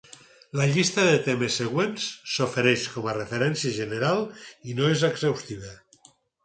La llista de temes següent s'ofereix com a referència general i no és exhaustiva.